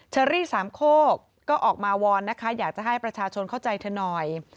เชอรี่สามโคกก็ออกมาวอนนะคะอยากจะให้ประชาชนเข้าใจเธอหน่อย